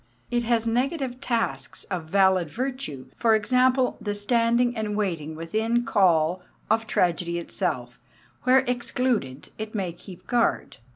It has negative tasks of valid virtue; for example, the standing and waiting within call of tragedy itself, where, excluded, it may keep guard.